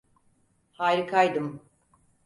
Harikaydım.